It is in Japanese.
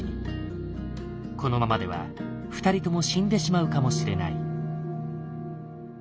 このままでは２人とも死んでしまうかもしれない。